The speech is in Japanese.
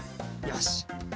よし。